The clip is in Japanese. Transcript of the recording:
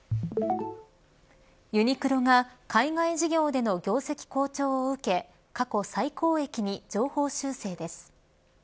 ユニクロが海外事業での業績好調を受け過去最高益に上方修正です。